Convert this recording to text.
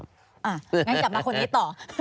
งั้นกลับมาคนนี้ต่อ